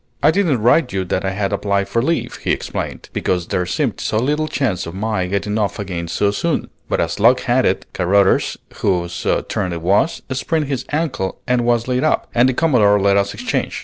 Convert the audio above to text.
"I didn't write you that I had applied for leave," he explained, "because there seemed so little chance of my getting off again so soon; but as luck had it, Carruthers, whose turn it was, sprained his ankle and was laid up, and the Commodore let us exchange.